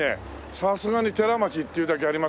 さすがに寺町っていうだけありますね。